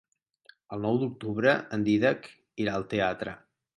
El nou d'octubre en Dídac irà al teatre.